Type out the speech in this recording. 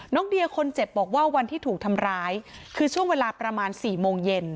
เดียคนเจ็บบอกว่าวันที่ถูกทำร้ายคือช่วงเวลาประมาณ๔โมงเย็น